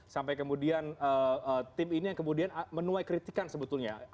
sampai kemudian tim ini yang kemudian menuai kritikan sebetulnya